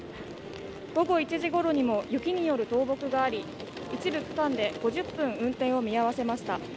午後１時ごろにも雪による倒木があり一部区間で５０分、運転を見合わせました。